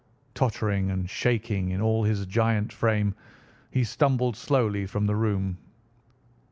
Tottering and shaking in all his giant frame, he stumbled slowly from the room.